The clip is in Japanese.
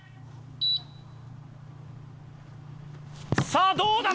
さあどうだ？